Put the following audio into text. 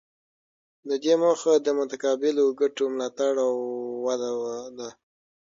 د دې موخه د متقابلو ګټو ملاتړ او وده ده